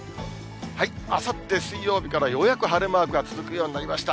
あさって水曜日からようやく晴れマークが続くようになりました。